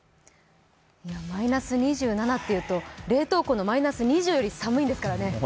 マイナス２７っていうと冷凍庫のマイナス２０より寒いんですね。